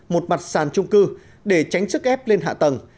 một mặt sàn trung cư để tránh sức ép lên hạ tầng